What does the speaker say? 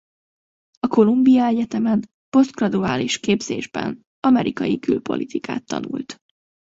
A Columbia Egyetemen posztgraduális képzésben amerikai külpolitikát tanult.